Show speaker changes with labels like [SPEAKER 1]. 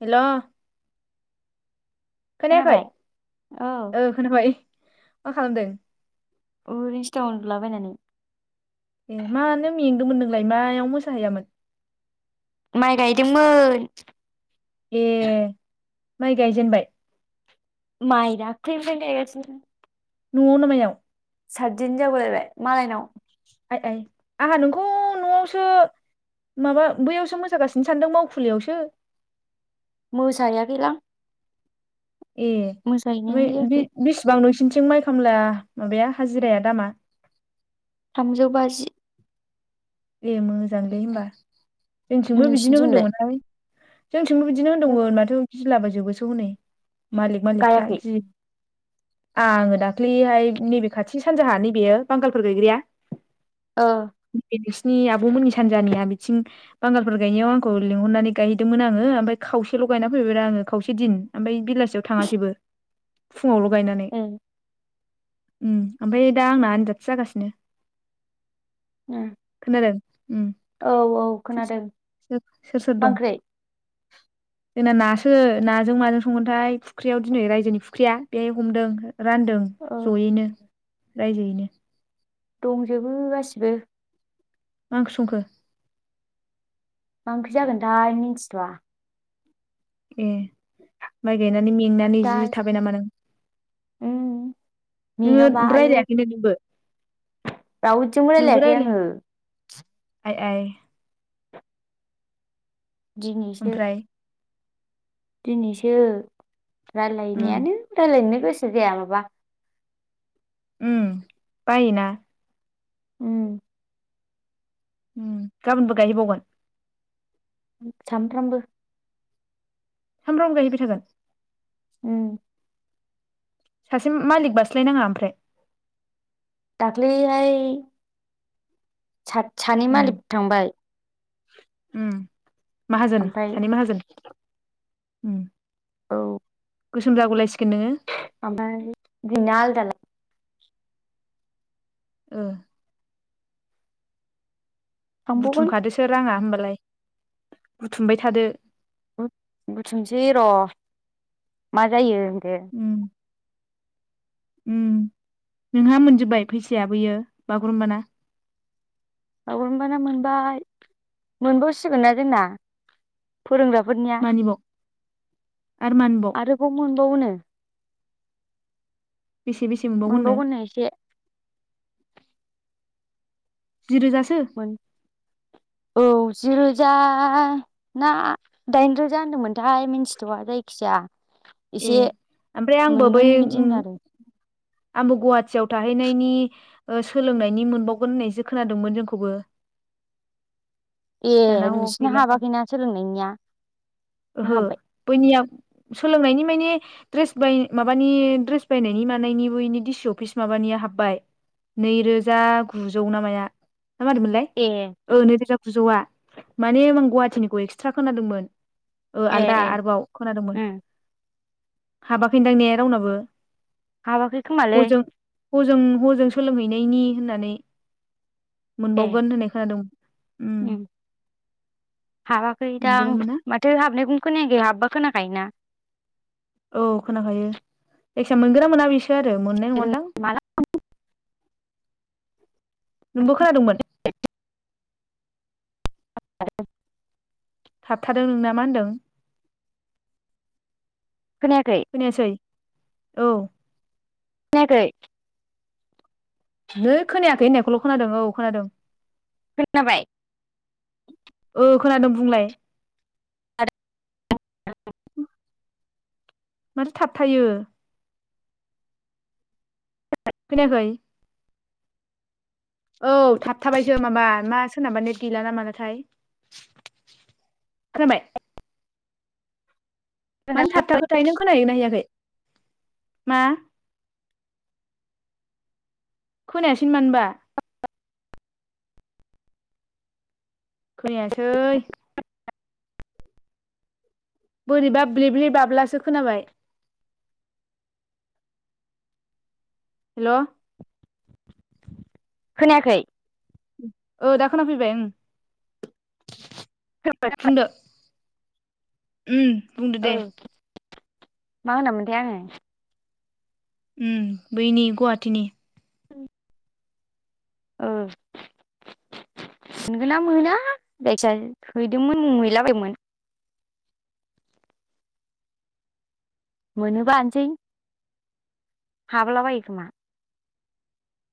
[SPEAKER 1] हेल' खोनायाखै?
[SPEAKER 2] खोनाबाय औ
[SPEAKER 1] ओ‌ खोनाबाय। मा खालामदों?
[SPEAKER 2] अ ओरैनोसो उन्दुलाबायनानै।
[SPEAKER 1] ए मानो मेंदोंमोन नोंलाय मायाव मोसाहैयामोन?
[SPEAKER 2] माइ गायदोंमोन।
[SPEAKER 1] ए माइ गायजेनबाय?
[SPEAKER 2] माइ दाख्लै निफायबो गायगासिनो।
[SPEAKER 1] न'आव ना मायाव?
[SPEAKER 2] सातदिन जागुलायबाय मालायनाव
[SPEAKER 1] आइ आइ आंहा नोंखौ न'आवसो माबा बैयावसो मोसागासिनो सानदों मावखुलियावसो।
[SPEAKER 2] मोसाहैयाखैलां।
[SPEAKER 1] ए
[SPEAKER 2] मोसाहैनायानो
[SPEAKER 1] ओमफ्राय
[SPEAKER 2] जायाखै
[SPEAKER 1] बे-बेसेबां नों थिं माइ खामला माबाया हाजिराया दामा
[SPEAKER 2] थामजौ बाजि।
[SPEAKER 1] ए मोजांलै होमबा। जोंथिंबो बिदिनो
[SPEAKER 2] नोंसिनिथिंलाय
[SPEAKER 1] होनदोंमोनहाय जोंथिंबो बिदिनो
[SPEAKER 2] नों
[SPEAKER 1] होनदोंमोन माथो गिलाबायजोबोसो हनै। मालिक मालिकफ्रा
[SPEAKER 2] गायाखै
[SPEAKER 1] गि आङो दाख्लैयहाय नैबे खाथिनि सानजाहा नैबेयो बांगालफोर गैयग्राया
[SPEAKER 2] ओ
[SPEAKER 1] नोंसिनि आब'मोननि सानजानिया बिथिं बांगालफोर गायनायाव आंखौ लिंहरनानै गायहोदोंमोन आङो ओमफ्राय खावसेल' गायना फैबायरा आङो खावसे दिन ओमफ्राय बेलासियाव थाङासैबो। फुङावल' गायनानै।
[SPEAKER 2] ए
[SPEAKER 1] उम ओमफ्राय दा आंना आनजादसो जागासिनो?
[SPEAKER 2] उम
[SPEAKER 1] [unintelligible]
[SPEAKER 2] औ औ
[SPEAKER 1] सोर
[SPEAKER 2] खोनादों
[SPEAKER 1] सोर सोर
[SPEAKER 2] मा
[SPEAKER 1] दं
[SPEAKER 2] ओंख्रि?
[SPEAKER 1] जोंना नासो नाजों माजों संगोनथाय फुख्रियाव दिनै रायजोनि फुख्रिया बेहाय हमदों। रानदों
[SPEAKER 2] ओ
[SPEAKER 1] जयैनो। रायजोयैनो
[SPEAKER 2] दंजोबो गासिबो।
[SPEAKER 1] मा ओंख्रि संखो?
[SPEAKER 2] मा ओंख्रि जागोनथाय मिन्थिथ'आ
[SPEAKER 1] ए माइ गा नानै मेंनानै
[SPEAKER 2] दा
[SPEAKER 1] जि थाबाय नामा नों
[SPEAKER 2] उम मेङाबा
[SPEAKER 1] नोंओ
[SPEAKER 2] आयौ
[SPEAKER 1] रायलायाखैनो नोंबो
[SPEAKER 2] रावजोंबो
[SPEAKER 1] नोंबो
[SPEAKER 2] रायलायाखै
[SPEAKER 1] रायलाय
[SPEAKER 2] आङो
[SPEAKER 1] [unintelligible] एह
[SPEAKER 2] दिनैसो
[SPEAKER 1] ओमफ्राय
[SPEAKER 2] दिनैसो
[SPEAKER 1] उम
[SPEAKER 2] रायलायनायानो रायलायनो गोसो जाया माबा।
[SPEAKER 1] उम बायोना।
[SPEAKER 2] उम
[SPEAKER 1] उम गाबोनबो गायहैबावगोन?
[SPEAKER 2] सामफ्रोमबो?
[SPEAKER 1] सामफ्रोमबो गायहैबाय थागोन?
[SPEAKER 2] उम
[SPEAKER 1] सासे मालिक बास्लायनाङा ओमफ्राय?
[SPEAKER 2] दाखलै हाय सा-सानै
[SPEAKER 1] उम
[SPEAKER 2] मालिक थांबाय।
[SPEAKER 1] उम माहाजोन
[SPEAKER 2] ओमफ्राय
[SPEAKER 1] सानै माहाजोन। उम।
[SPEAKER 2] औ।
[SPEAKER 1] गोसोम जागुलायसिगोन नोङो।
[SPEAKER 2] ओमफाय बिना आलदालाय।
[SPEAKER 1] ओ।
[SPEAKER 2] थांबावगोन
[SPEAKER 1] बुथुमखादोसो राङा होमबा लाय बुथुमबाय थादो।
[SPEAKER 2] बु बुथुमसै र' मा जायो। दे।
[SPEAKER 1] उम उम नोंहा मोनजोबबाय फैसाया बैयो बागुरुम्बाना?
[SPEAKER 2] बागुरुम्बाना मोनबाय मोनबावसिगोन ना जोंना। फोरोंग्राफोरनिया
[SPEAKER 1] मानिबाव आरो मानिबाव
[SPEAKER 2] आरोबाव मोनबावोनो।
[SPEAKER 1] बेसे बेसे मोनबावगोननो? जि रोजासो?
[SPEAKER 2] मोन औ जि रोजा ना दाइन रोजा होनदोंमोनथाय मिन्थिथवा जायखिजाया
[SPEAKER 1] ए
[SPEAKER 2] एसे
[SPEAKER 1] ओमफ्राय आंबो बै
[SPEAKER 2] मोनगोन बिदि
[SPEAKER 1] उम
[SPEAKER 2] होनो आरो
[SPEAKER 1] आंबो गुवाहाटियाव थाहैनायनि ओ सोलोंनायनि मोनबावगोन होननायसो खोनादोंमोन जोंखौबो।
[SPEAKER 2] ए
[SPEAKER 1] दाना ह
[SPEAKER 2] नोंसोरना
[SPEAKER 1] गैलादां
[SPEAKER 2] हाबाखैना सोलोंनायनिया?
[SPEAKER 1] ओहो
[SPEAKER 2] ना हाब्बाय?
[SPEAKER 1] बैनिया सोलोंनायनि माने द्रेस बाय माबानि द्रेस बायनायनि मानायनिबोनि इनि डिसि अफिस माबानिया हाब्बाय नै रोजा गुजौ ना माया। ना मादिमोनलाय
[SPEAKER 2] ए
[SPEAKER 1] ओ नैरोजा गुजौआ। माने आं गुवाहाटिनिखौ एक्सट्रा खोनादोंमोन। ओ
[SPEAKER 2] ए
[SPEAKER 1] आलदा
[SPEAKER 2] ए
[SPEAKER 1] आरोबाव खोनादोंमोन।
[SPEAKER 2] उम
[SPEAKER 1] हाबाखैनदां ने रावनाबो?
[SPEAKER 2] हाबाखै खोमालै
[SPEAKER 1] हजों हजों हजों सोलोंहैनायनि होननानै मोनबावगोन होननाय खोनादों। उम
[SPEAKER 2] ओम हाबाखै दा
[SPEAKER 1] मोनगोना
[SPEAKER 2] आं
[SPEAKER 1] मोना
[SPEAKER 2] माथो हाबनायखौनो खोनायाखै हाबबा खोनाखायोना।
[SPEAKER 1] औ खोनाखायो जायखिजाया मोनगोना मोना बेसो सो आरो मोननाय नङादां।
[SPEAKER 2] माला
[SPEAKER 1] नोंबो खोनादोंमोन।
[SPEAKER 2] [unintelligible]
[SPEAKER 1] थाबथादों नोंना। मा होनदों?
[SPEAKER 2] खोनायाखै
[SPEAKER 1] फैनोसै। औ।
[SPEAKER 2] खोनायाखै?
[SPEAKER 1] नों खोनायाखै होननायखौल' खोनादों औ खोनादों।
[SPEAKER 2] खोनाबाय?
[SPEAKER 1] औ खोनादों बुंलाय।
[SPEAKER 2] [unintelligible]
[SPEAKER 1] माथो थाबथायो? खोनायाखै? औ थाबथाबायसो माबा मा सोरनाबा नेट गैला नामा नाथाय। खोनाबाय? मानो थाबथा खोथायाह नों खोनाहैयोना हैयाखै? मा? खोनायसिन मानोबा? खैयासै बोरैबा ब्रेब्रे बाब्लासो खोनाबाय। हेल'।
[SPEAKER 2] खोनायाखै?
[SPEAKER 1] औ दा खोनाफैबाय ओं। बुंदो। उम बुंदो
[SPEAKER 2] औ
[SPEAKER 1] दे।
[SPEAKER 2] मा होनामोनथाय आङो?
[SPEAKER 1] उम बैनि गुवाहाटीनि।
[SPEAKER 2] उम। औ सिनगोना मोना जायखिजाया हैदोंमोन मैलाबायदोंमोन। मोनोबा हानसै हाबला बायो खौमा।